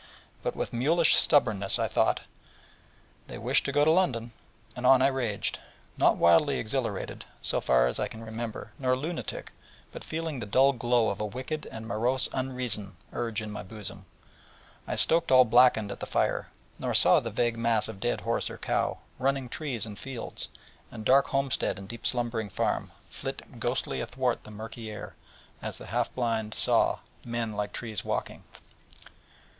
But with mulish stubbornness I thought: 'They wished to go to London'; and on I raged, not wildly exhilarated, so far as I can remember, nor lunatic, but feeling the dull glow of a wicked and morose Unreason urge in my bosom, while I stoked all blackened at the fire, or saw the vague mass of dead horse or cow, running trees and fields, and dark homestead and deep slumbering farm, flit ghostly athwart the murky air, as the half blind saw 'men like trees walking.'